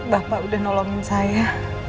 bapak sudah menolong saya